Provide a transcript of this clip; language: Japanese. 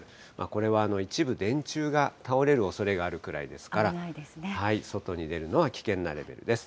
これは一部、電柱が倒れるおそれがあるくらいですから、外に出るのは危険なレベルです。